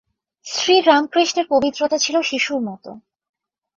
শ্রীরামকৃষ্ণের পবিত্রতা ছিল শিশুর মত।